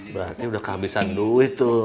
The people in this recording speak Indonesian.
berarti udah kehabisan duit tuh